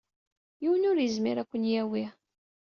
Yiwen ur yezmir ad ken-yawi.